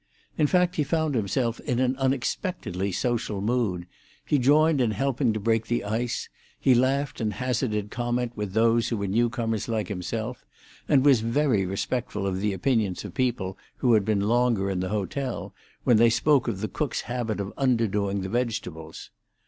In fact, he found himself in an unexpectedly social mood; he joined in helping to break the ice; he laughed and hazarded comment with those who were new comers like himself, and was very respectful of the opinions of people who had been longer in the hotel, when they spoke of the cook's habit of underdoing the vegetables.